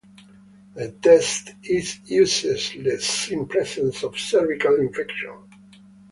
The test is useless in presence of cervical infection.